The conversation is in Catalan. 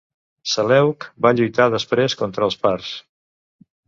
Seleuc va lluitar després contra els parts.